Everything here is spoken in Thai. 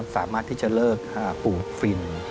สามารถที่จะเลิกปลูกฟิน